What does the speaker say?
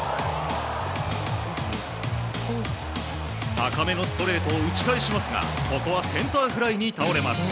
高めのストレートを打ち返しますがここはセンターフライに倒れます。